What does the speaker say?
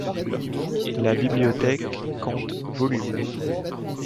La bibliothèque compte volumes.